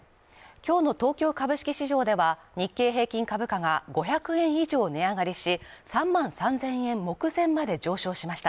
今日の東京株式市場では日経平均株価が５００円以上値上がりし３万３０００円目前まで上昇しました。